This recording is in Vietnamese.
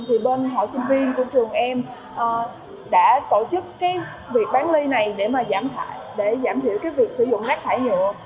thì bên hội sinh viên của trường em đã tổ chức việc bán ly này để giảm thiểu việc sử dụng rác thải nhựa